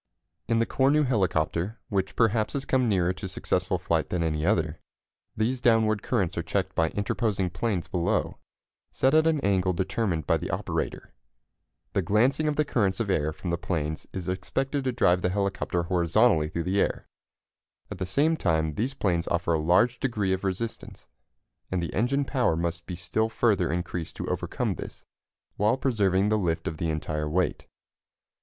In the Cornu helicopter, which perhaps has come nearer to successful flight than any other, these downward currents are checked by interposing planes below, set at an angle determined by the operator. The glancing of the currents of air from the planes is expected to drive the helicopter horizontally through the air. At the same time these planes offer a large degree of resistance, and the engine power must be still further increased to overcome this, while preserving the lift of the entire weight.